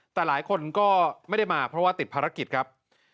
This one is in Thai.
แต่หลายคนก็ไม่ได้มาเพราะว่าติดภารกิจครับ